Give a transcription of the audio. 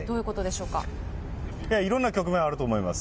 いろんな局面あると思います。